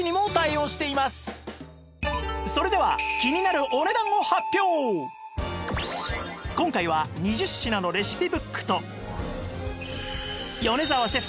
それでは今回は２０品のレシピブックと米澤シェフ